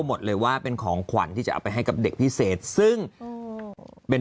หมดเลยว่าเป็นของขวัญที่จะเอาไปให้กับเด็กพิเศษซึ่งอืมเป็น